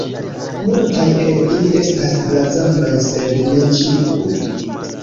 Multaj el ili estas blazonoj, sed ne ĉiuj.